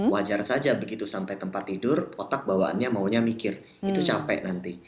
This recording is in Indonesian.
wajar saja begitu sampai tempat tidur otak bawaannya maunya mikir itu capek nanti